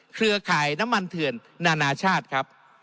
เครือข่ายน้ำมันเถื่อนนานาชาติครับ